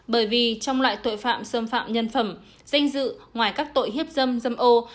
bởi vì trong loại tội phạm xâm phạm nhân phẩm danh dự ngoài các tội hiếp dâm dâm ô